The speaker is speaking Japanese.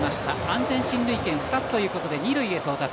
安全進塁権２つということで二塁へ到達。